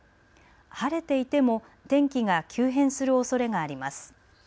晴れていても天気が急変するおそれがあります。